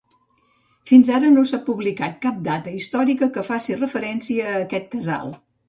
Fins ara no s'ha publicat cap data històrica que faci referència a aquest casal.